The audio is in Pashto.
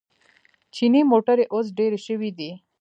چیني موټرې اوس ډېرې شوې دي.